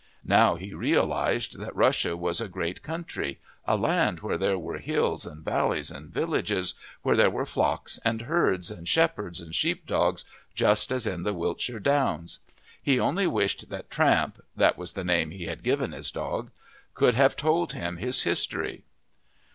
Now he realized that Russia was a great country, a land where there were hills and valleys and villages, where there were flocks and herds, and shepherds and sheepdogs just as in the Wiltshire Downs. He only wished that Tramp that was the name he had given his dog could have told him his history.